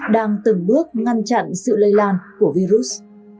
đang từng bước ngăn chặn sự lây lan của virus